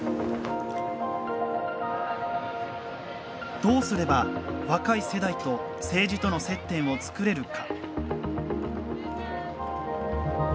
どうすれば若い世代と政治との接点を作れるか。